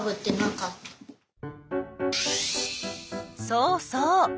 そうそう。